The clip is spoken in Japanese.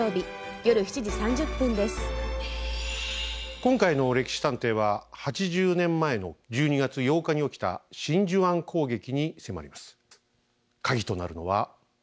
今回の「歴史探偵」は８０年前の１２月８日に起きた真珠湾攻撃に迫ります。